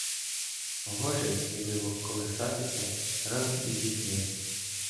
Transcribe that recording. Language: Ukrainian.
Гоже сміливо колисатися разом із дітьми